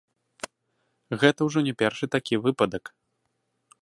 Гэта ўжо не першы такі выпадак.